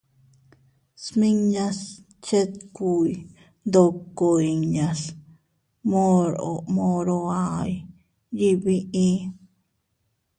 Smiñas chetkuy ndoko inñas moro aʼay yiʼi biʼi.